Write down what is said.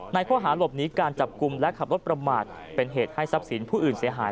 ข้อหาหลบหนีการจับกลุ่มและขับรถประมาทเป็นเหตุให้ทรัพย์สินผู้อื่นเสียหาย